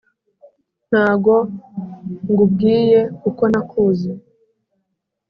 ntago ngubwiye kuko ntakuzi